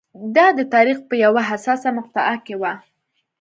دا د تاریخ په یوه حساسه مقطعه کې و.